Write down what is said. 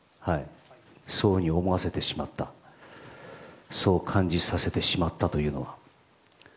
そういうふうに思わせてしまったそう感じさせてしまったというのは。